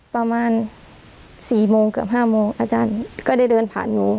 ประมาณ๔โมงเกือบ๕โมงอาจารย์ก็ได้เดินผ่านหนู